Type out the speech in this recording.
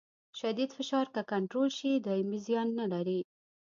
شدید فشار که کنټرول شي دایمي زیان نه لري.